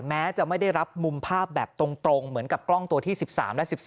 แม้จะไม่ได้รับมุมภาพแบบตรงเหมือนกับกล้องตัวที่๑๓และ๑๔